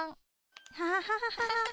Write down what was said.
アハハハハ。